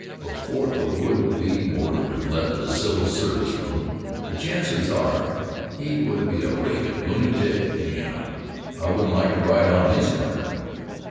Before the would be motorman left the civil service room, the chances are he would be a raving lunatic Anyhow I wouldn't like to ride on his car.